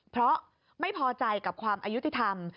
เพราะไม่พอใจกับความอายุติธรรม